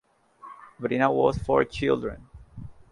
Birna has four children.